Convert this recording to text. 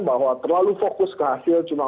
bahwa terlalu fokus ke hasil cuma